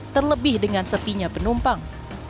terlebih dengan sepinya penumpang